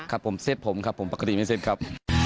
ครับผมเซ็ตผมครับผมปกติไม่เซ็ตครับ